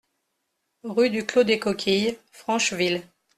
Rue du Clos des Coquilles, Francheville